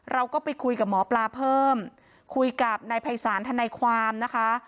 เราก็ไปคุยกับหมอปลาเพิ่มคุยกับนายภัยศาลทนายความนะคะ